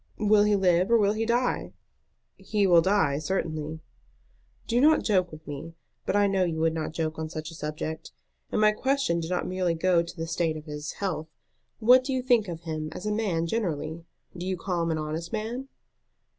"Will he live or will he die?" "He will die, certainly." "Do not joke with me. But I know you would not joke on such a subject. And my question did not merely go to the state of his health. What do you think of him as a man generally? Do you call him an honest man?"